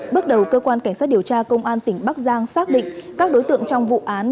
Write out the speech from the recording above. bước đầu cơ quan cảnh sát điều tra công an tỉnh bắc giang xác định các đối tượng trong vụ án